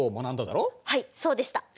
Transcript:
はいそうでした。